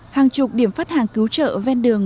hàng chục điểm phát hàng cứu trợ ven đường